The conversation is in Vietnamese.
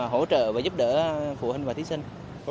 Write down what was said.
hỗ trợ và giúp đỡ phụ huynh và thí sinh